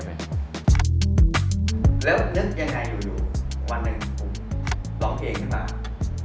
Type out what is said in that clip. แล้วยังไงอยู่วันหนึ่งร้องเพลงนะครับ